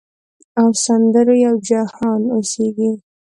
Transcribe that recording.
او سندرو یو جهان اوسیږې